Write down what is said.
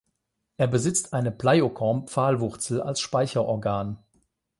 Er besitzt eine Pleiokorm-Pfahlwurzel als Speicherorgan.